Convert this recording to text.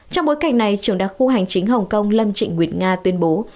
trong bối cảnh này trường đạo khu hoành chính hồng kông lâm trịnh nguyệt nga tuyên bố